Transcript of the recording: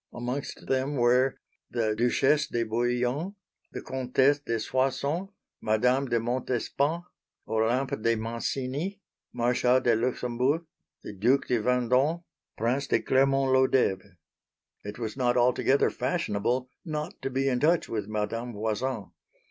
Amongst them were the Duchesse de Bouillon, the Comtesse de Soissons, Madame de Montespan, Olympe de Mancini, Marshal de Luxembourg, the Duc de Vendôme, Prince de Clermont Lodeve. It was not altogether fashionable not to be in touch with Madame Voisin.